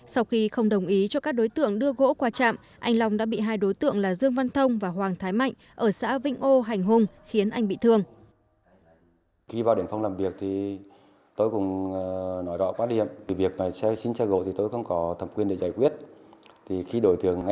sau khi không đồng ý cho các đối tượng đưa gỗ qua trạm anh long đã bị hai đối tượng là dương văn thông và hoàng thái mạnh ở xã vĩnh âu hành hung khiến anh bị thương